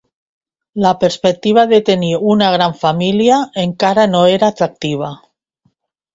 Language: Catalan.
La perspectiva de tenir una gran família encara no era atractiva.